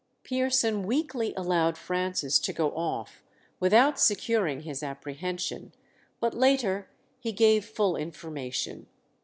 Pearson weakly allowed Francis to go off without securing his apprehension, but later he gave full information.